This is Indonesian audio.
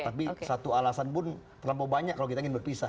tapi satu alasan pun terlampau banyak kalau kita ingin berpisah